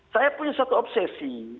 saya punya satu obsesi